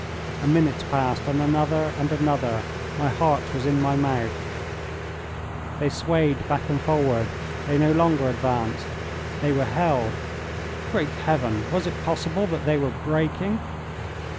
A minute passed, and another, and another. My heart was in my mouth. They swayed back and forward; they no longer advanced; they were held. Great Heaven! was it possible that they were breaking?